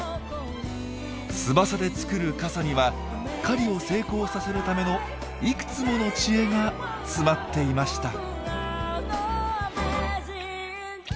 翼で作る傘には狩りを成功させるためのいくつもの知恵が詰まっていました。